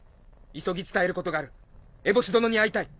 急ぎ伝えることがあるエボシ殿に会いたい。